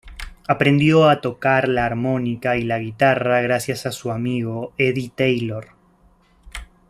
Aprendió a tocar la armónica y la guitarra gracias a su amigo Eddie Taylor.